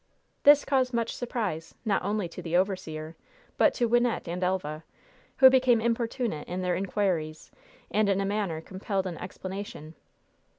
This caused much surprise, not only to the overseer, but to Wynnette and Elva, who became importunate in their inquiries, and in a manner compelled an explanation.